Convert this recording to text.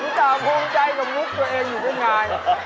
มีความภูมิใจกับมุติตัวเองอยู่ทุกงาน